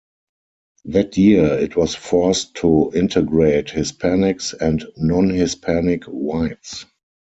That year it was forced to integrate Hispanics and non-Hispanic whites.